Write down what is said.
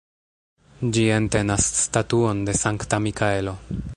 Ĝi entenas statuon de Sankta Mikaelo.